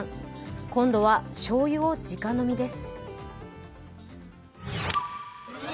今度はしょうゆを直飲みです。